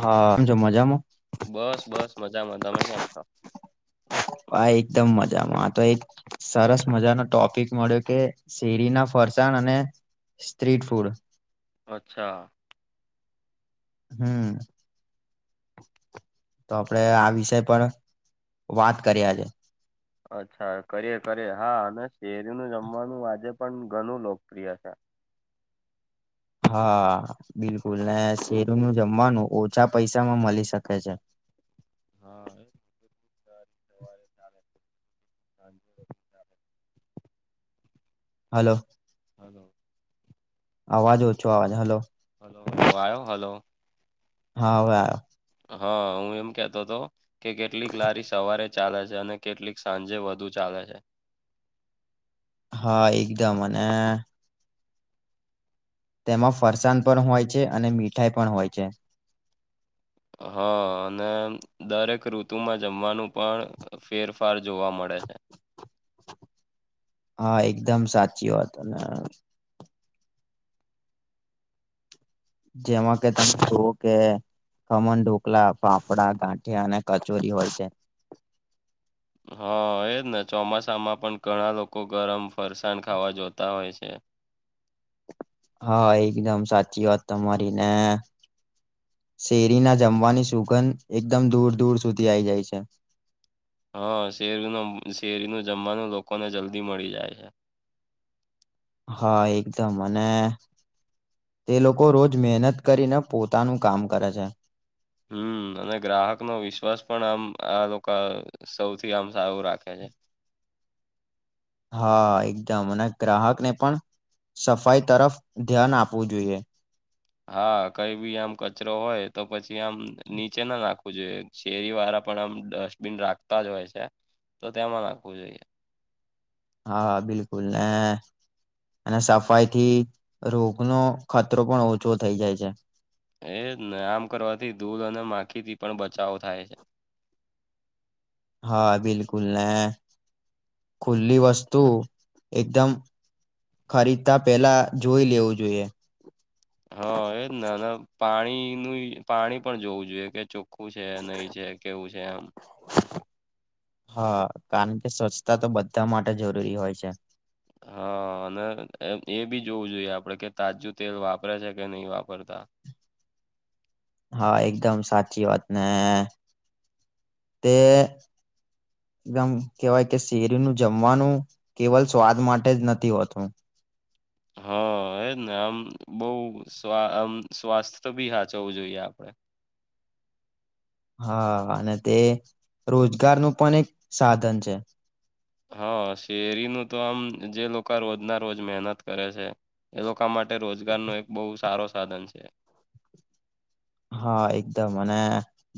હા કેમ છો, મજામાં બસ બસ મજામાં તમે કેમ છો. હા એકદમ મજામાં, આ તો એક સરસ મજાનો ટોપિક મળ્યો કે શેરીના ફરસાણ અને સ્ટ્રીટ ફૂડ અચ્છા હમ તો આપડે આ વિષય પણ વાત કરીએ આજે, અચ્છા કરીએ કરીએ હા અને શેરીનું જમવાનું આજે પણ ઘણું લોકપ્રિય છે. હા બિલકુલ ને શેરીનુ જમવાનું ઓછા પૈસામાં મલિ શકે છે. હા એ [unintelligible] [inaudible] [unintelligible] હલો હલો અવાજ ઓછો આવે છે, હલો હલો આયો હલો હા હવે આયો, હા હું એમ કેતો તો કે કેટલીક લારી સવારે, ચાલે છે અને કેટલીક સાંજે વધુ ચાલે છે. હા એકદમ અને તેમાં ફરસાણ પણ હોય છે, અને મીઠાઈ પણ હોય છે. હા અને દરેક ઋતુમાં જમવાનું પણ ફેરફાર જોવા મળે છે. હા એકદમ સાચી વાત અને જેમાં કે [unintelligible] કે ખમણ ઢોકલા, ફાફડા, ગાંઠિયા અને કચોરી હોય સે. હા એજ ને ચોમાસામાં પણ ઘણા લોકો ગરમ ફરસાણ ખાવા જોતા હોય છે. હા એકદમ સાચી વાત તમારી ને શેરીના જમવાની સુગંધ એકદમ દૂર દૂર સુધી આઈ જાય છે. હા શેરીનું શેરીનું જમવાનું લોકોને જલ્દી મળી જાય છે. હા એકદમ અને એ લોકો રોજ મહેનત કરીને પોતાનું કામ કરે છે. હમ અને ગ્રાહકનો વિશ્વાસ પણ આમ આ લોકો સૌથી આમ સારું રાખે છે. હા એકદમ અને ગ્રાહકને પણ સફાઈ તરફ ધ્યાન આપવું જોઈએ. હા કઈ બી આમ કચરો હોય તો પછી આમ નીચે ના નાખવું જોઈએ. શેરી વાળા પણ આમ ડસ્ટબીન રાખતા જ હોય છે, તો તેમાં નાખવું જોઈએ. હા બિલકુલ ને... અને સફાઈ થી રોગનો ખતરો પણ ઓછો થઈ જાય છે. એજ ને આમ કરવાથી દૂધ અને માખી થી પણ બચાવો થાય છે. હા બિલકુલ ને ખુલ્લી વસ્તુ એકદમ ખરીદતા પેલા જોઈ લેવું જોઈએ. હા એ ના ના પાણીનુંય પાણી પણ જોવું જોઈએ કે ચોખ્ખું છે, નહી છે, કેવું છે? એમ. હા કારણ કે સ્વચ્છતા તો બધા માટે જરૂરી હોય છે. હા અને એ બી જોવું જોઈએ આપડે કે તાજું તેલ વાપરે છે કે નહીં વાપરતા. હા, એકદમ સાચી વાત ને, તે એકદમ કેહેવાય કે શેરી નું જમવાનું કેવલ સ્વાદ માટે જ નથી હોતું. હા એજ ને આમ બઉ સ્વા આમ સ્વાસ્થ્ય બી હાચવું જોઈએ આપડે. હા અને તે રોજગાર નું પણ એક સાધન છે. હા શેરીનું તો આમ જે લોકા રોજના રોજ મહેનત કરે છે. એ લોકા માટે રોજગારનો એક બહુ સારો સાધન છે. હા એકદમ અને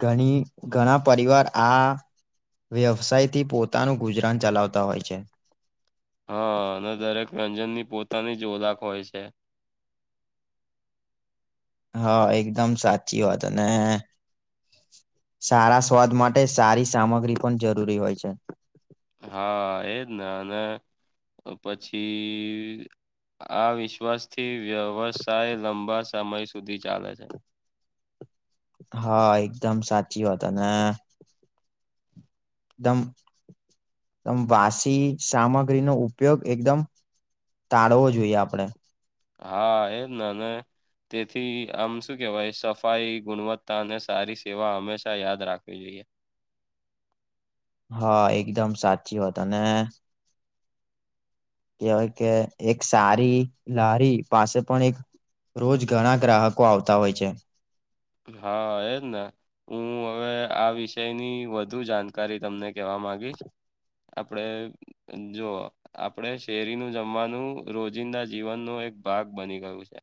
ઘણી ઘણા પરિવાર આ વ્યવસાય થી પોતાનું ગુજરાન ચલાવતા હોય છે. હા અને દરેક વ્યંજનની પોતાની જ ઓલાખ હોય છે. હા એકદમ સાચી વાત અને સારા સ્વાદ માટે સારી સામગ્રી પણ જરૂરી હોય છે. હા એજ ને અને પછી આ વિશ્વાસ થી વ્યવસાય લંબા સમય સુધી ચાલે છે. હા એકદમ સાચી વાત અને દમ તમ વાસી સામગ્રીનો ઉપયોગ એકદમ ટાળવો જોઈએ આપડણે. હા એજ ના અને તેથી આમ શું કેહેવાય સફાઈ, ગુણવત્તા અને સારી સેવા હંમેશા યાદ રાખવી જોઈએ. હા એકદમ સાચી વાત અને કહેવાય કે એક સારી લારી પાસે પણ એક રોજ ઘણા ગ્રાહકો આવતા હોય છે. હા એ જ ને. હું હવે આ વિષયની વધુ જાણકારી તમને કહેવા માંગીશ. આપડે જો આપડે શેરીનું જમવાનું રોજિંદા જીવનનો એક ભાગ બની ગયું છે.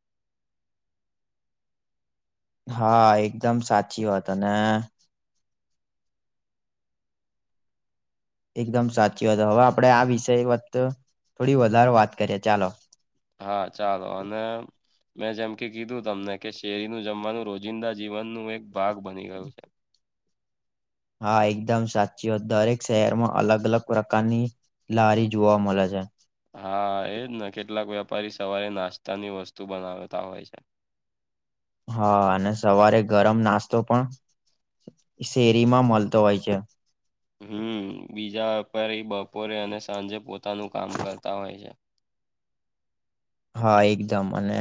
હા એકદમ સાચી વાત અને એકદમ સાચી વાત હવે આપડે આ વિષય વત થોડી વધારે વાત કરીએ ચાલો. હા ચાલો અને મેં જેમ કે કીધું તમને કે શેરીનું જમવાનું રોજ જિંદા જીવન નું એક ભાગ બની ગયું છે. હા એકદમ સાચી વાત દરેક શહેરમાં અલગ અલગ પ્રકારની લારી જોવા મલે છે. હા એજ ને કેટલાક વેપારી સવારે નાસ્તાની વસ્તુ બનાવતા હોય છે. હા અને સવારે ગરમ નાસ્તો પણ શેરીમાં મલતો હોય છે. હમ્મ, બીજા વેપારી બપોરે અને સાંજે પોતાનું કામ કરતા હોય છે. હા એકદમ અને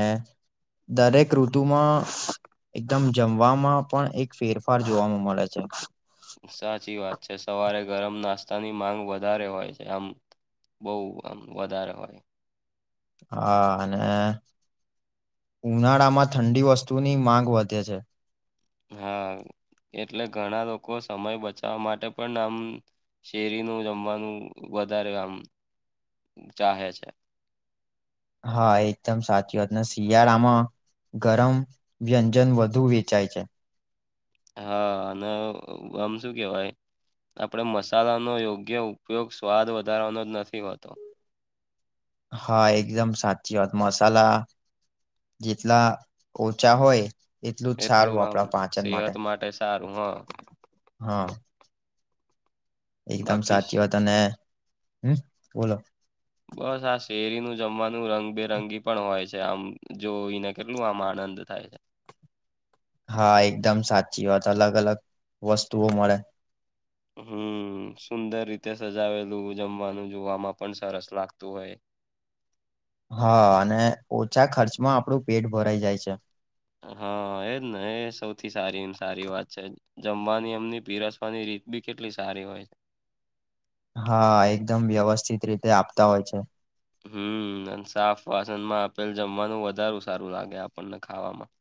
દરેક ઋતુમાં એકદમ જમવામાં પણ એક ફેરફાર જોવા મળે છે. સાચી વાત છે. સવારે ગરમ નાસ્તાની માંગ વધારે હોય છે આમ બહુ આમ વધારે હોય. હા અને ઉનાળામાં ઠંડી વસ્તુની માંગ વધે છે. હા એટલે ઘણા લોકો સમય બચાવા માટે પણ આમ શેરીનું જમવાનું વધારે આમ ચાહે છે. હા એકદમ સાચી વાતને શિયાળામાં ગરમ વ્યંજન વધુ વેચાય છે. હા અને આમ શું કેવાય? આપણે મસાલાનો યોગ્ય ઉપયોગ સ્વાદ વધારવાનો જ નથી હોતો. હા, એકદમ સાચી વાત, મસાલા જેટલા ઓછા હોય એટલું જ સારું આમ આપડા પાચન માટે. સેહત સારું હા હા. એકદમ બાકી સાચી વાત અને, હમ્મ બોલો. બસ આ શેરીનું જમવાનું રંગબેરંગી પણ હોય છે, આમ જોઈને કેટલું આમ આનંદ થાય છે. હા એકદમ સાચી વાત. અલગ અલગ વસ્તુઓ મળે. હમ્મ, સુંદર રીતે સજાવેલું જમવાનું જોવામાં પણ સરસ લાગતું હોય. હા અને ઓછા ખર્ચમાં આપણું પેટ ભરાઈ જાય છે. હા એજ ને એ સૌથી સારી ને સારી વાત છે. જમવાની એમની પીરસવાની રીત બી કેટલી સારી હોય. હા, એકદમ વ્યવસ્થિત રીતે આપતા હોય છે. હમ્મ અને સાફ વાસનમાં આપેલ જમવાનું વધારું સારું લાગે આપણને ખાવામાં.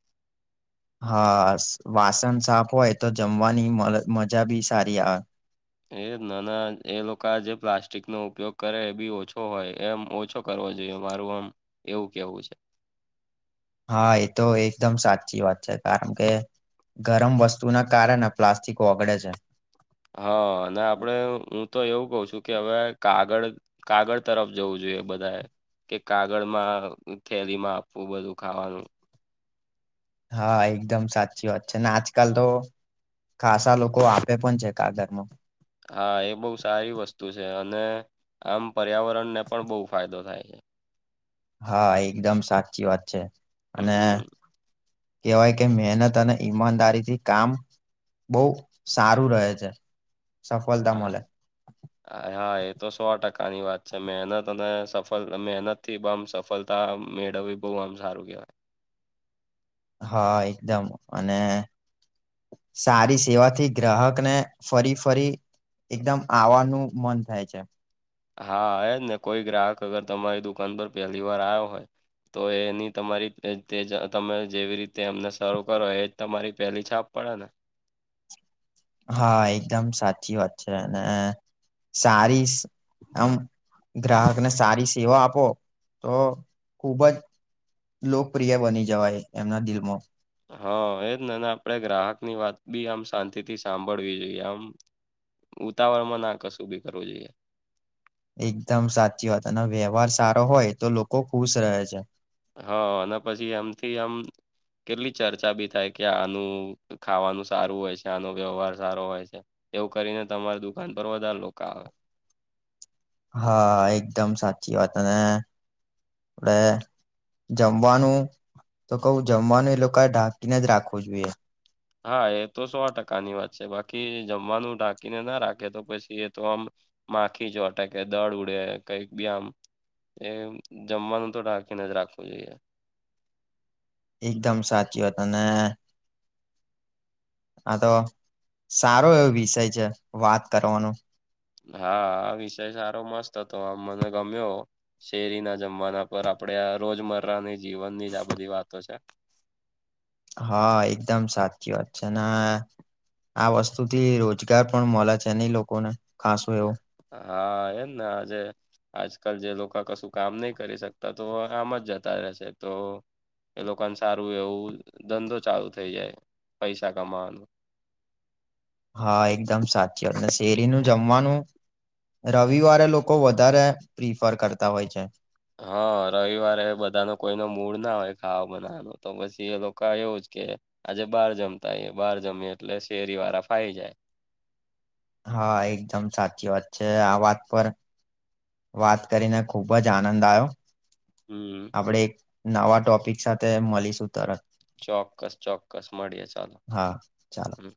હા, વાસણ સાફ હોય તો જમવાની મજા બી સારી આવે. એ નાના એ લોકો આ જે પ્લાસ્ટિક નો ઉપયોગ કરે એ બી ઓછો હોય એમ ઓછો કરવો જોઈએ, મારું આમ એવું કેવું છે. હા એ તો એકદમ સાચી વાત છે. કારણ કે ગરમ વસ્તુના કારણે પ્લાસ્ટિક ઓગળે છે. હા અને આપણે હું તો એવું કઉ છું કે હવે કાગળ કાગળ તરફ જવું જોઈએ બધાએ. કે કાગળમાં થેલીમાં આપવું બધું ખાવાનું. હા એકદમ સાચી વાત છે ને આજકાલ તો ખાસા લોકો આપે પણ છે કાગળમાં. હા એ બહુ સારી વસ્તુ છે અને આમ પર્યાવરણને પણ બહુ ફાયદો થાય છે. હા, એકદમ સાચી વાત છે અને હમ કહેવાય કે મહેનત અને ઈમાનદારીથી કામ બહુ સારું રહે છે. સફળતા હા. મળે હ હા એ તો સો ટકાની વાત છે. મહેનત અને સફલ મહેનત થી બમ સફલ તા મેળવી બહુ આમ સારું કેહેવાય. હા એકદમ અને સારી સેવાથી ગ્રાહકને ફરી ફરી એકદમ આવાનું મન થાય છે. હા એ જ ને કોઈ ગ્રાહક અગર તમારી દુકાન પર પેલી વાર આવ્યો હોય તો એની તમારી તે જ તમે જેવી રીતે એમને સારું કરો એ તમારી પેલી છાપ પડે ને. હા એકદમ સાચી વાત છે અને સારી આમ ગ્રાહકને સારી સેવા આપો તો ખુબ જ લોકપ્રિય બની જવાય એમના દિલમાં. હા એજ ને આપે ગ્રાહક ની વાત બી આમ શાંતિથી સાંભળવી જોઈએ આમ. ઉતાવરમાં ના કશું ભી કરવું જોઈએ. એકદમ સાચી વાત અને વ્યવહાર સારો હોય તો લોકો ખુશ રહે છે. હા અને પછી એમથી આમ. કેટલી ચર્ચા બી થાય કે આનું ખાવાનું સારું હોય છે, આનો વ્યવહાર સારો હોય છે. એવું કરીને તમારી દુકાન પર વધારે લોકો આવે. હા એકદમ સાચી વાત અને એ જમવાનું તો કવું જમવાનું એ લોકોએ ઢાંકીને જ રાખવું જોઈએ. હા એ તો સો ટકાની વાત છે, બાકી જમવાનું ઢાંકીને ના રાખે તો પછી એ તો આમ, માખી ચો અટ કે દળ ઉડે કઈક બી આમ. એમ જમવાનુ તો ઠાંકી ને જ રાખવું જોઈએ. એકદમ સાચી વાત અને અ હા તો સારો એવો વિષય છે, વાત કરવાનું. હા આ વિષય સારો મસ્ત હતો આમ મને ગમ્યો.. શેરી ના જમવાના પર આપડે આ રોજમરાની જીવનની જ આ બધી વાતો છે. હા એકદમ સાચી વાત છે, ને. આ વસ્તુ થી રોજગાર પણ મળે છે, ને ઇ લોકોને ખાસું એવું. હા એમને આજે. આજકાલ જે લોકો કશું કામ નહી કરી શકતા તો આમ જ જતા રહેશે તો. એ લોકોને સારું એવું ધંધો ચાલુ થઇ જાય પૈસા કમાવાનું. હા એકદમ સાચી વાત ને શેરી નું જમવાનું. રવિવારે લોકો વધારે પ્રિફર કરતા હોય છે. હા રવિવારે એ બધાનો કોઈ ન મૂડ ના હોય તો ખાવા બનાવવાનો. તો પછી એ લોકો એવું જ કે. આજે બહાર જમતા આવી એ બહાર જમ્યુ એટલે શેરી વાળા ફાવી જાય. હા એકદમ સાચી વાત છે, આ વાત પર. વાત કરીને ખુબ જ આનંદ આવ્યો. હમ. આપણે એક નવા ટોપિક સાથે મળીશું તરત. ચોક્કસ ચોક્કસ મળીએ ચાલો. હા ચાલો. હમ